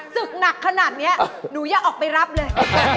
ศึกหนักขนาดนี้หนูอย่าออกไปรับเลย